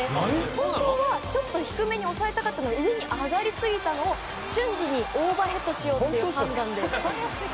本当はちょっと低めに抑えたかったのに上に上がりすぎたものを瞬時にオーバーヘッドしようという判断で。